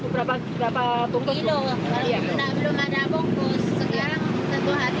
belum ada bungkus